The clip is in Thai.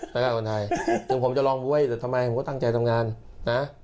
แล้วก็คนไทยถึงผมจะลองบ๊วยแต่ทำไมผมก็ตั้งใจทำงานนะ